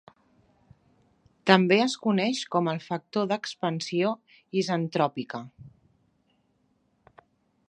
També es coneix com el factor d'expansió isentròpica.